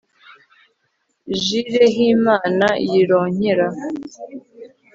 JIREHIMANA YIRONKERA